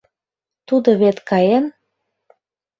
— Тудо вет каен!